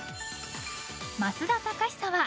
増田貴久は。